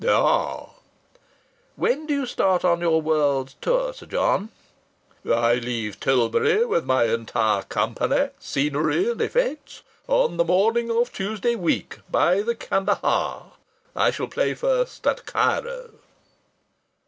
"Ah!" "When do you start on your world's tour, Sir John?" "I leave Tilbury, with my entire company, scenery and effects, on the morning of Tuesday week, by the Kandahar. I shall play first at Cairo."